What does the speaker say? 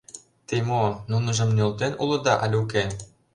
— Те мо, нуныжым нӧлтен улыда але уке?